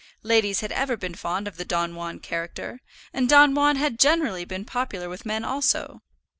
Ladies had ever been fond of the Don Juan character, and Don Juan had generally been popular with men also.